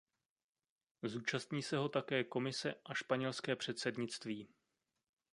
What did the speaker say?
Zúčastní se ho také Komise a španělské předsednictví.